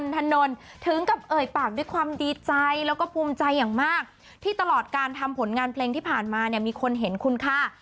ถนนถึงกับเอ่ยปากด้วยความดีใจแล้วก็ภูมิใจอย่างมากที่ตลอดการทำผลงานเพลงที่ผ่านมาเนี่ยมีคนเห็นคุณค่า